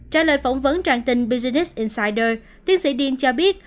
trả lời phỏng vấn trang tin business insider tiến sĩ tredin cho biết